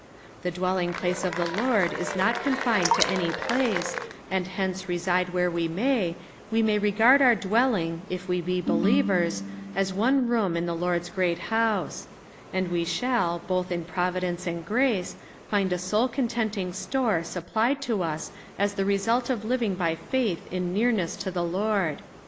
The dwelling place of the Lord is not confined to any place, and hence reside where we may, we may regard our dwelling, if we be believers, as one room in the Lord's great house ; and we shall, both in providence aod grace, find a soul contenting store supplied to us as the result of living by faith in nearness to the Lord.